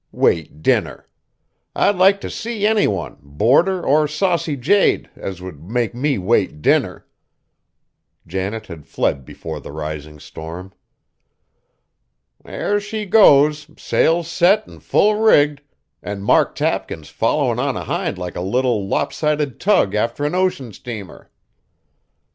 Wait dinner! I'd like t' see any one, boarder or saucy jade, as would make me wait dinner!" Janet had fled before the rising storm. "There she goes, sails set an' full rigged, an' Mark Tapkins followin' on ahind like a little, lopsided tug after an ocean steamer!"